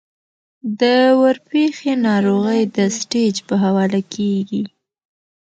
د ورپېښې ناروغۍ د سټېج پۀ حواله کيږي -